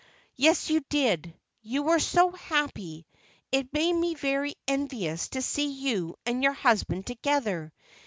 "Yes, you did, you were so happy, it made me very envious to see you and your husband together.